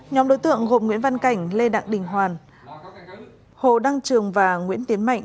nhóm đối tượng gồm nguyễn văn cảnh lê đặng đình hoàn hồ đăng trường và nguyễn tiến mạnh